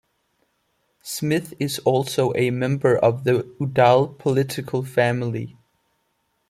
Smith is also a member of the Udall political family.